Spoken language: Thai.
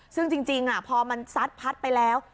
ซึ่งจริงพอมันซัดพัดไปแล้ว